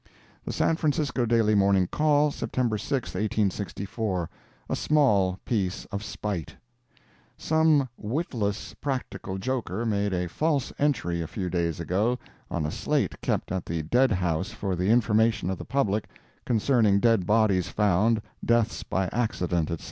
The San Francisco Daily Morning Call, September 6, 1864 A SMALL PIECE OF SPITE Some witless practical joker made a false entry, a few days ago, on a slate kept at the dead house for the information of the public, concerning dead bodies found, deaths by accident, etc.